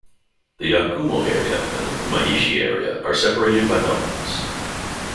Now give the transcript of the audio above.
The Yakumo area and the Kumaishi area are separated by mountains.